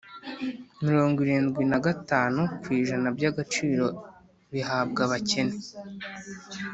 mirongo irindwi na gatanu ku ijana by agaciro bihabwa abakene